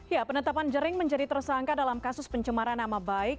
ya penetapan jering menjadi tersangka dalam kasus pencemaran nama baik